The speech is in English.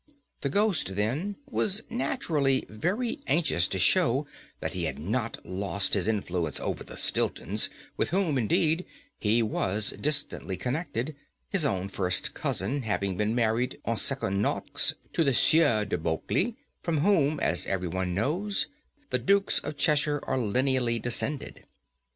The ghost, then, was naturally very anxious to show that he had not lost his influence over the Stiltons, with whom, indeed, he was distantly connected, his own first cousin having been married en secondes noces to the Sieur de Bulkeley, from whom, as every one knows, the Dukes of Cheshire are lineally descended.